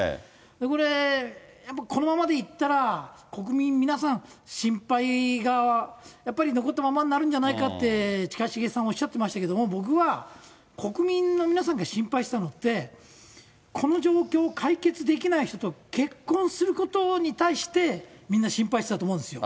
これ、このままでいったら、国民皆さん、心配が、やっぱり残ったままになるんじゃないかって、近重さんおっしゃってましたけども、僕は、国民の皆さんが心配したのって、この状況を解決できない人と結婚することに対して、みんな心配したと思うんですよ。